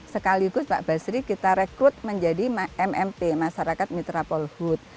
sekaligus pak basri kita rekrut menjadi mmp masyarakat mitra polhut